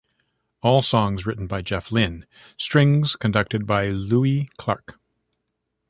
All songs written by Jeff Lynne; strings conducted by Louis Clark.